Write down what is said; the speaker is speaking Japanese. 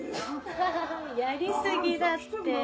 ハハハやり過ぎだって。